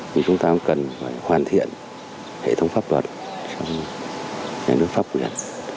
thì chúng ta cũng cần phải hoàn thiện hệ thống pháp luật trong nhà nước pháp quyền